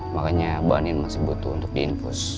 makanya bu andin masih butuh untuk diinfus